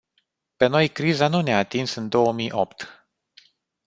Pe noi criza nu ne-a atins în două mii opt.